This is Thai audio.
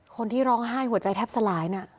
คนที่ร้องไห้หัวใจแทบสลายน่ะ